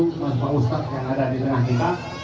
dan ustadz yang ada di tengah kita